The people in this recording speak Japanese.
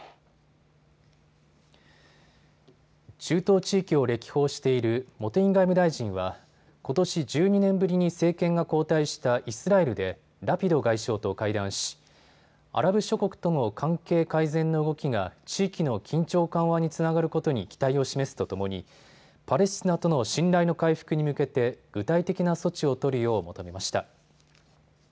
中東地域を歴訪している茂木外務大臣はことし１２年ぶりに政権が交代したイスラエルでラピド外相と会談しアラブ諸国との関係改善の動きが地域の緊張緩和につながることに期待を示すとともにパレスチナとの信頼の回復に向けて具体的な措置を取るよう求めました。